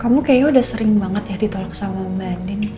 kamu kayaknya udah sering banget ya ditolak sama mbak den